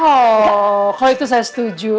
oh kalau itu saya setuju